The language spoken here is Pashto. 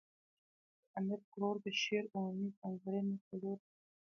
د امیر کروړ د شعر عمومي ځانګړني څلور دي.